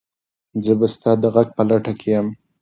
زه به ستا د غږ په لټه کې یم.